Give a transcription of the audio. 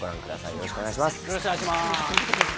よろしくお願いします。